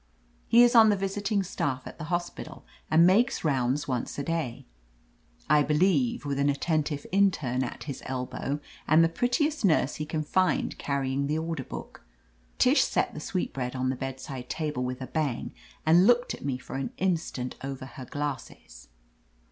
He is on the visiting staff at the hospital, and makes rounds once a day, I believe, with an attentive interne at his elbow and the prettiest nurse he can find carrying the order book. Tish set the sweetbread on the bedside table with a bang and looked at me for an instant over her glasses.